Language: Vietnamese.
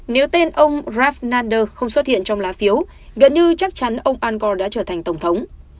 nếu tên ông ralph nader không xuất hiện trong lá phiếu gần như chắc chắn ông ăn gò đã trở thành tổng thống